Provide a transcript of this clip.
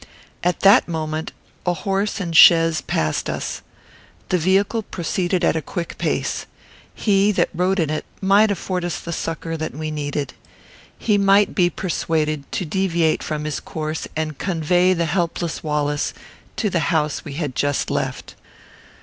At that moment a horse and chaise passed us. The vehicle proceeded at a quick pace. He that rode in it might afford us the succour that we needed. He might be persuaded to deviate from his course and convey the helpless Wallace to the house we had just left.